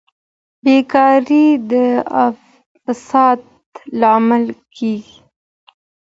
بېکاري د فساد لامل کیږي.